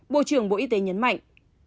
bộ trưởng bộ y tế nhấn mạnh